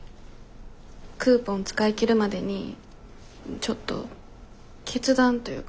クーポン使い切るまでにちょっと決断というかしようと思って。